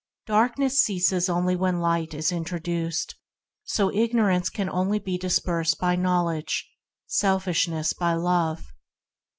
As dark ness ceases only when light is introduced; so ignorance can only be dispersed by Knowledge; selfishness by Love.